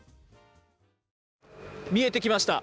見えてきました。